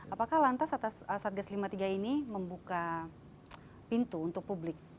apakah lantas satgas lima puluh tiga ini membuka pintu untuk publik